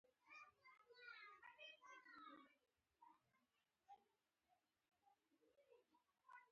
ازادي راډیو د ټرافیکي ستونزې په اړه د سیاستوالو دریځ بیان کړی.